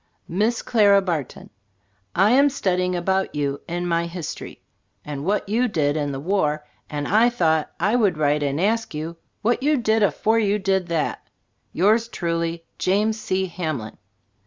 6 preface Miss Clara Barton: I am studying about you in my History, and what you did in the war, and I thought I would write and ask you what you did afore you did that Yours truly, James C. Hamlin.